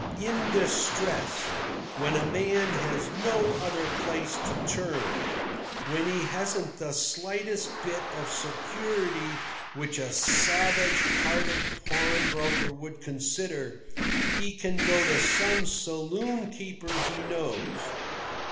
In distress, when a man has no other place to turn, when he hasn't the slightest bit of security which a savage hearted pawn broker would consider, he can go to some saloon keeper he knows.